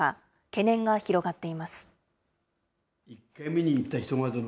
懸念が広がっています。